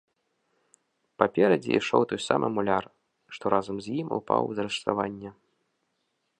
Паперадзе ішоў той самы муляр, што разам з ім упаў з рыштавання.